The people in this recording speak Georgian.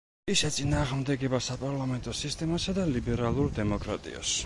ის ეწინააღმდეგება საპარლამენტო სისტემასა და ლიბერალურ დემოკრატიას.